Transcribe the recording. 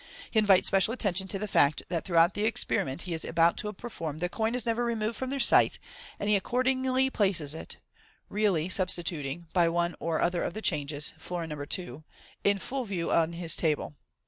He invites special attention to the fact that throughout the experiment he is about to perform, the coin is never removed from their sight, and he accordingly places it (really substituting, by one or other of the changes, florin No. a) im frail view on his table.